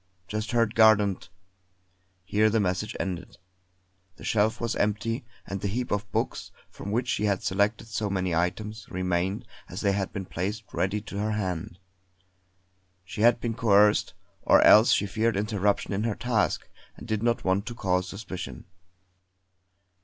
Just heard Gardent " Here the message ended. The shelf was empty; and the heap of books, from which she had selected so many items, remained as they had been placed ready to her hand. She had been coerced; or else she feared interruption in her task, and did not want to cause suspicion.